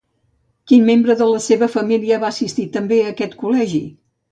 Quin membre de la seva família va assistir també a aquest col·legi?